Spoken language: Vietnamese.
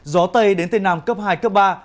gió tây đến tây nam cấp hai cấp ba